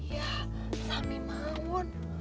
ya sami maun